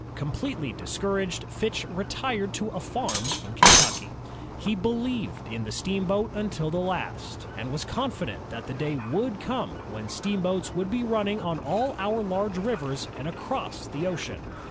Completely discouraged, Fitch retired to a farm in Kentucky. He believed in the steamboat until the last, and was confident that the day would come when steam boats would be running on all our large rivers and across the ocean.